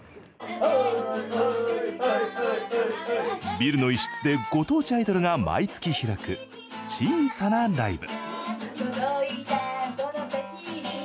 ビルの一室で、ご当地アイドルが毎月開く小さなライブ。